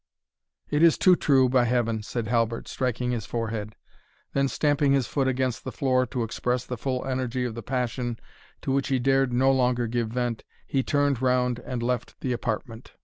"It is too true, by Heaven!" said Halbert, striking his forehead. Then, stamping his foot against the floor to express the full energy of the passion to which he dared no longer give vent, he turned round and left the apartment.